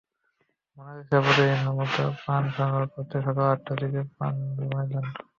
Mona Lisa প্রতিদিনের মতো পান সংগ্রহ করতে সকাল আটটার দিকে পানজুমে যান।